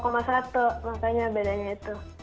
makanya bedanya itu